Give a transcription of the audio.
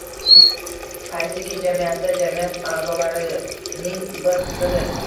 Qaysiki jamiyatda jamiyat aʼzolarining bir qismidir